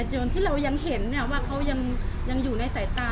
ส่วนที่เรายังเห็นเนี้ยว่าเขายังอยู่ในสายตา